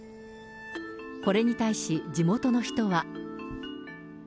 これに対し、地元の人は。